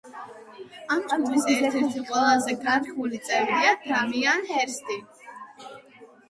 ამ ჯგუფის ერთ-ერთი ყველაზე განთქმული წევრია დამიენ ჰერსტი.